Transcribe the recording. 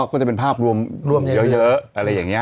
ก็จะเป็นภาพรวมเยอะอะไรอย่างนี้